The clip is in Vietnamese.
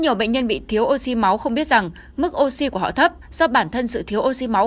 nhiều bệnh nhân bị thiếu oxy máu không biết rằng mức oxy của họ thấp do bản thân sự thiếu oxy máu